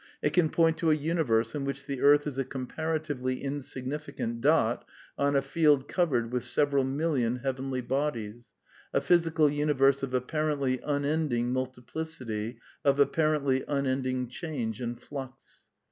It can point to a universe in which the earth is a comparatively insignificant dot on a field covered with several million heavenly bodies, a physical universe of apparently unending multiplicity, of apparently un ceasing change and flux.